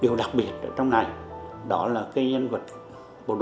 điều đặc biệt ở trong này đó là cái nhân vật bộ đội của nhà văn nhà thơ bấy giờ